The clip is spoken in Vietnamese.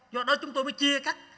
do đó chúng tôi mới chia cắt